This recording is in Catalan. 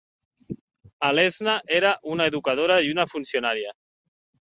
Alesna era una educadora i una funcionària.